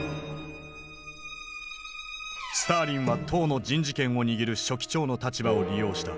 スターリンは党の人事権を握る書記長の立場を利用した。